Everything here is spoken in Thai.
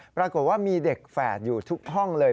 ปรากฏว่ามีเด็กแฝดอยู่ทุกห้องเลย